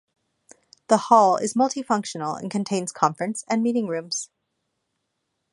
The hall is multifunctional and contains conference and meeting rooms.